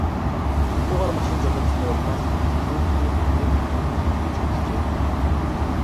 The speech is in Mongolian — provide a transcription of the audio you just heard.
Согтуугаар машин жолоодсоны улмаас хүүхдүүд хүнд хөнгөн бэртэж гэмтжээ.